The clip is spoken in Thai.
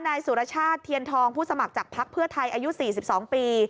นายสุรชาติเทียนทองผู้สมัครจากพักเพื่อไทยอายุ๔๒ปี